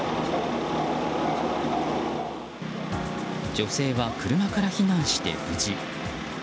女性は車から避難して無事。